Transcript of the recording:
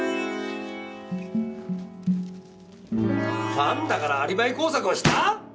ファンだからアリバイ工作をした！？